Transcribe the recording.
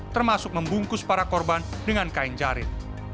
termasuk membungkus para korban dengan kain jarit